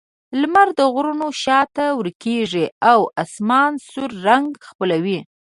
لمر د غرونو شا ته ورکېږي او آسمان سور رنګ خپلوي.